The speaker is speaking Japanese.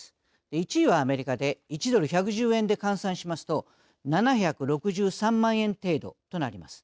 １位はアメリカで１ドル１１０円で換算しますと７６３万円程度となります。